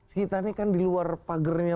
kita ini kan di luar pagarnya